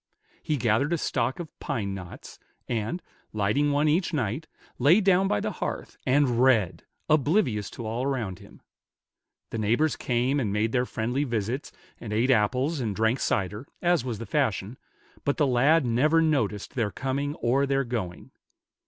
He gathered a stock of pine knots, and, lighting one each night, lay down by the hearth, and read, oblivious to all around him. The neighbors came and made their friendly visits, and ate apples and drank cider, as was the fashion, but the lad never noticed their coming or their going.